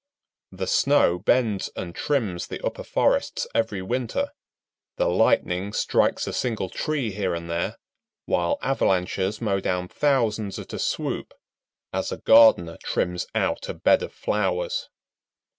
The snow bends and trims the upper forests every winter, the lightning strikes a single tree here and there, while avalanches mow down thousands at a swoop as a gardener trims out a bed of flowers.